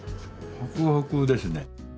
ホクホクですね。